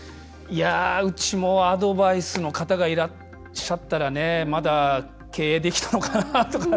うちも、アドバイスの方がいらっしゃったらまだ経営できたのかなとか。